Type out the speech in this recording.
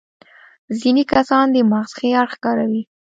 ځينې کسان د مغز ښي اړخ کاروي.